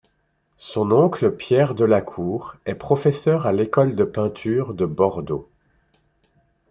Son oncle Pierre Delacour est professeur à l'école de peinture de Bordeaux.